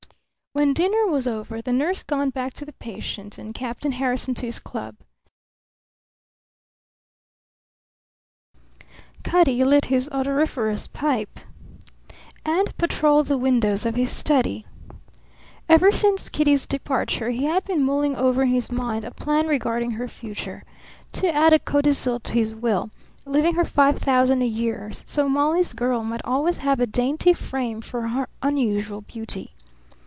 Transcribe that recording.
When dinner was over, the nurse gone back to the patient and Captain Harrison to his club, Cutty lit his odoriferous pipe and patrolled the windows of his study. Ever since Kitty's departure he had been mulling over in his mind a plan regarding her future to add a codicil to his will, leaving her five thousand a year, so Molly's girl might always have a dainty frame for her unusual beauty.